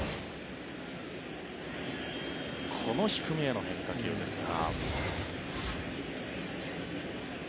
この低めへの変化球ですが。